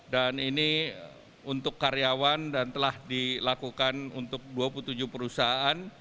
dan ini untuk karyawan dan telah dilakukan untuk dua puluh tujuh perusahaan